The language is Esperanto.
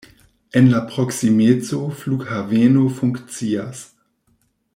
En la proksimeco flughaveno funkcias.